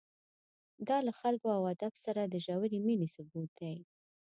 دا له خلکو او ادب سره د ژورې مینې ثبوت دی.